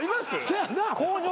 せやな！